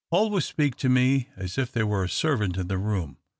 Always speak to me as if there were a servant in the room.